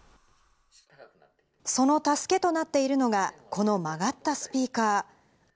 その助けとなっているのが、この曲がったスピーカー。